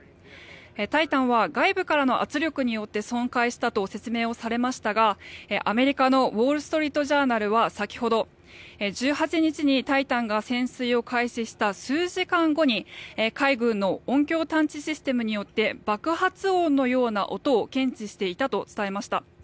「タイタン」は外部からの圧力によって損壊したと説明をされましたがアメリカのウォール・ストリート・ジャーナルは先ほど、１８日に「タイタン」が潜水を開始した数時間後に海軍の音響探知システムによって爆発音のような音を検知していたと伝えました。